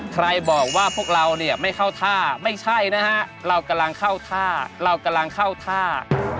ใครบอกว่าพวกเราเนี่ยไม่เข้าท่าไม่ใช่นะฮะเรากำลังเข้าท่าเรากำลังเข้าท่า